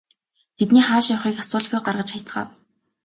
Тэдний хааш явахыг ч асуулгүй гаргаж хаяцгаав.